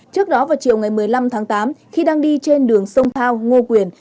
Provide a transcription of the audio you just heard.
trước đó vào chiều ngày một mươi năm tháng tám khi đang đi trên đường sông thao ngô quyền